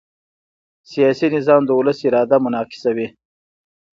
سیاسي نظام د ولس اراده منعکسوي